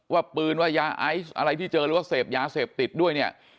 ว่าปืนว่ายาไอซ์อะไรที่เจอหรือว่าเสพยาเสพติดด้วยเนี่ย